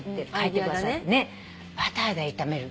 バターで炒める。